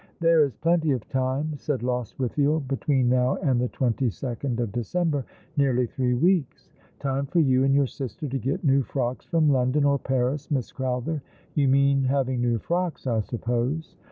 " There is plenty of time," said Lostwithiel, " between now and the twenty second of December— nearly three weeks. Time for you and your sister to get new frocks from London or Paris, Lliss Crowther. You mean having new frocks, I suppose